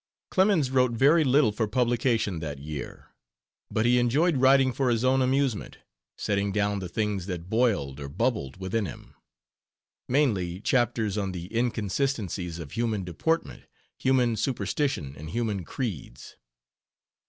Clemens wrote very little for publication that year, but he enjoyed writing for his own amusement, setting down the things that boiled, or bubbled, within him: mainly chapters on the inconsistencies of human deportment, human superstition and human creeds.